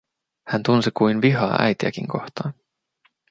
Hän tunsi kuin vihaa äitiäkin kohtaan.